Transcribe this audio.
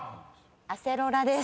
「アセロラ」です。